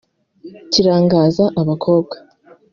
Kirangaza abakobwa